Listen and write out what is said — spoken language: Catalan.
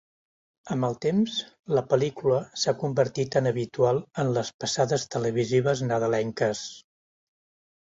Amb el temps, la pel·lícula s'ha convertit en habitual en les passades televisives nadalenques.